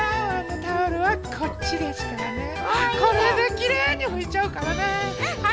これできれいにふいちゃうからね。